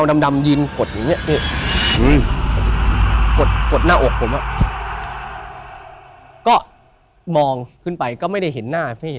นึกถึงหลวงปูหรือสีที่ผมนับถึง